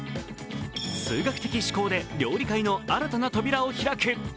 数学的思考で料理界の新たな扉を開く。